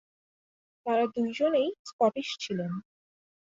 তারা দুজনেই স্কটিশ ছিলেন।